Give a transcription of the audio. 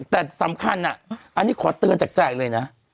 แต่สำคัญอันนี้ขอเตือนจากใจเลยนะ